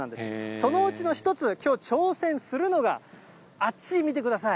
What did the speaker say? そのうちの一つ、きょう、挑戦するのが、あっち、見てください。